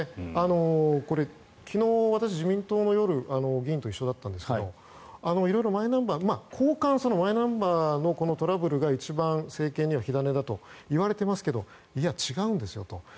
これ、昨日夜私、自民党の議員と一緒だったんですが色々マイナンバー巷間、マイナンバーのトラブルが一番、政権には火種だといわれていますが違うんですよと。